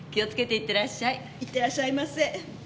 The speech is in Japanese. いってらっしゃいませ。